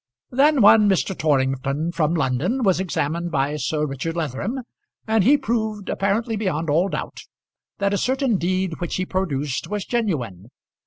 Then one Mr. Torrington from London was examined by Sir Richard Leatherham, and he proved, apparently beyond all doubt, that a certain deed which he produced was genuine.